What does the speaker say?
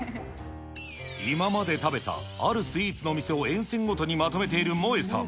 今まで食べたあるスイーツのお店を沿線ごとにまとめているモエさん。